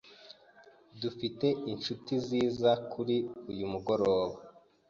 Dufite inshuti ziza kuri uyu mugoroba.